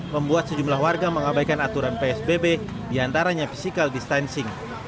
membuat sejumlah warga mengabaikan aturan psbb diantaranya physical distancing